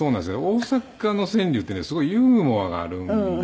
大阪の川柳ってねすごいユーモアがあるんですよね。